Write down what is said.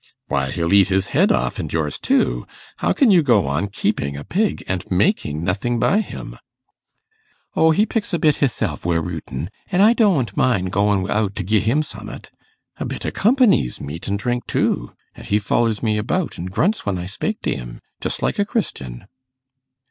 'Why, he'll eat his head off, and yours too. How can you go on keeping a pig, and making nothing by him?' 'O, he picks a bit hisself wi' rootin', and I dooant mind doing wi'out to gi' him summat. A bit o' company's meat an' drink too, an' he follers me about, and grunts when I spake to'm, just like a Christian.